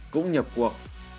cũng nhập cuộc